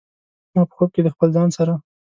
ما په خوب کې د خپل ځان سره